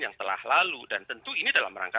yang telah lalu dan tentu ini dalam rangka